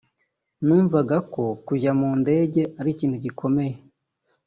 numvaga ko kujya mu ndege ari ikintu gikomeye